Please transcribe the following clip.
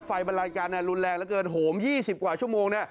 ไฟบรรลายการเนี่ยรุนแรงเยอะเกินโหมยี่สิบกว่าชั่วโมงเนี่ย